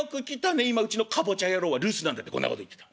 今うちのカボチャ野郎は留守なんだ』ってこんなこと言ってた。